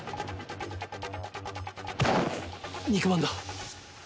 肉まんだ。